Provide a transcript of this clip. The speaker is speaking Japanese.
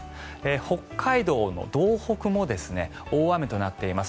北海道の道北も大雨となっています。